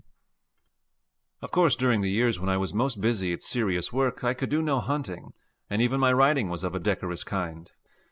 Of course during the years when I was most busy at serious work I could do no hunting, and even my riding was of a decorous kind.